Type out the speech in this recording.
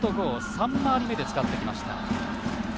３回り目で使ってきました。